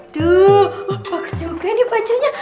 tuh bagus juga ini bajunya